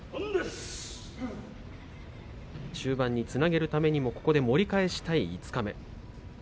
中盤につなげるためにも盛り返したい、五日目です。